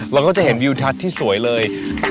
เราก็จะเห็นวิวทัศน์ที่สวยเลย